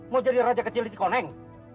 mau jadi raja kecil di cikoneng